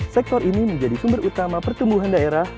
sektor ini menjadi sumber utama pertumbuhan daerah